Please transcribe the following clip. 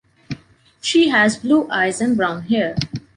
She has blue eyes and brown hair.